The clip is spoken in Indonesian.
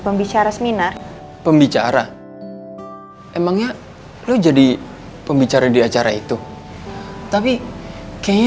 pembicara seminar pembicara emangnya lo jadi pembicara di acara itu tapi kayaknya